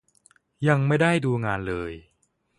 ยังไม่ได้ดูงานเลย